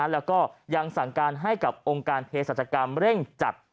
แล้วก็ยังสั่งการให้กับองค์การเพศรัชกรรมเร่งจัด